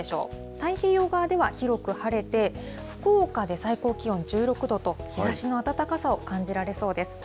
太平洋側では広く晴れて、福岡で最高気温１６度と、日ざしの暖かさを感じられそうです。